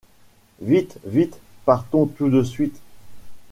Vite, vite ! partons tout de suite.